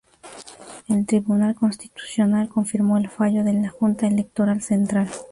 El Tribunal Constitucional confirmó el fallo de la Junta Electoral Central.